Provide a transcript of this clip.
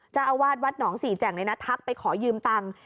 เจ้าอาวาสวัดหนองสี่แจ่งเลยนะทักไปขอยืมตังค์